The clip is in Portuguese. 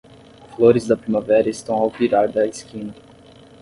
Flores da primavera estão ao virar da esquina